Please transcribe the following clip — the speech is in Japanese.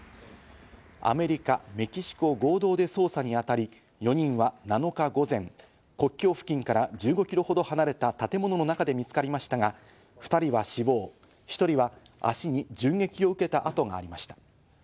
アメリカ、メキシコ合同で捜査に当たり、４人は７日午前、国境付近から１５キロほど離れた建物の中で見つかりましたが、２人は死亡、１人は足に銃撃を受けた痕がありました。